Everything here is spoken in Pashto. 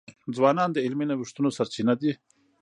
ځوانان د علمي نوښتونو سرچینه دي.